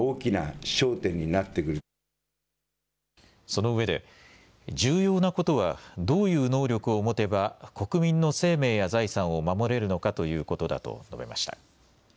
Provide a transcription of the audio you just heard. そのうえで重要なことは、どういう能力を持てば国民の生命や財産を守れるのかということだと述べました。